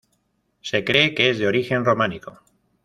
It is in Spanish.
Se cree que es de origen románico.